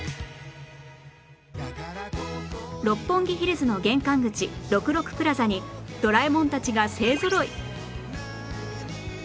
六本木ヒルズの玄関口６６プラザにドラえもんたちが勢ぞろい！